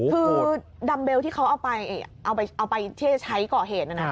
คือดัมเบลที่เขาเอาไปที่จะใช้ก่อเหตุ